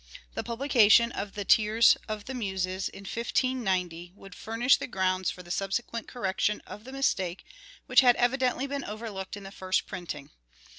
The publication of " The Tears of the Muses " in 1590 would furnish the grounds for the subsequent correction of the mistake which had evidently been overlooked in the first printing.